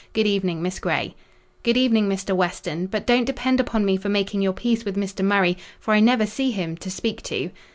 Good evening, Miss Grey." "Good evening, Mr. Weston; but don't depend upon me for making your peace with Mr. Murray, for I never see him—to speak to."